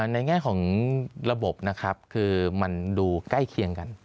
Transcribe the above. ในแง่ของระบบนะครับคือมันดูใกล้เคียงกัน